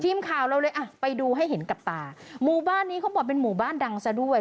ทีมข่าวเราเลยอ่ะไปดูให้เห็นกับตาหมู่บ้านนี้เขาบอกเป็นหมู่บ้านดังซะด้วย